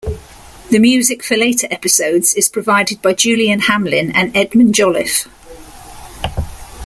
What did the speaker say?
The music for later episodes is provided by Julian Hamlin and Edmund Jolliffe.